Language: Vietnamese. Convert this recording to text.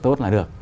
tốt là được